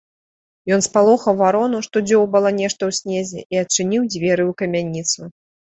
Ён спалохаў варону, што дзёўбала нешта ў снезе, і адчыніў дзверы ў камяніцу.